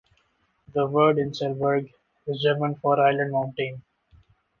The word "inselberg" is German for "island mountain".